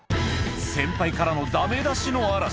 先輩からのだめ出しの嵐。